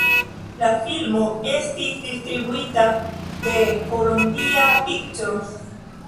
La filmo estis distribuita de Columbia Pictures.